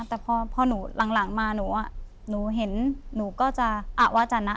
แต่พอหนูหลังมาหนูเห็นหนูก็จะอะว่าจะวาจานะ